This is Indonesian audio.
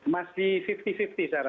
masih lima puluh lima puluh saya rasa